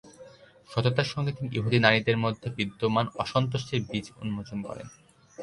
সততার সঙ্গে তিনি ইহুদি নারীদের মধ্যে বিদ্যমান অসন্তোষের বীজ উন্মোচন করেন।